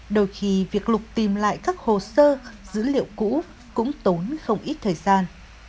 đôi khi việc lục tìm lại các hồ sơ dữ liệu cũ cũng tốn không ít thời gian